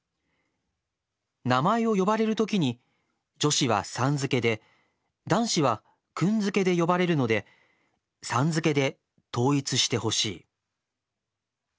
「名前を呼ばれるときに女子は『さん』付けで男子は『くん』付けで呼ばれるので『さん』付けで統一してほしい。